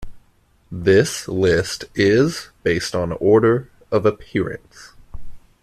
This list is based on order of appearance.